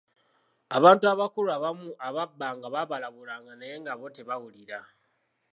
Abantu abakulu abamu abaabanga babalabulanga naye nga bo tebawulira.